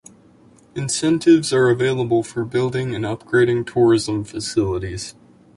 Incentives are available for building and upgrading tourism facilities.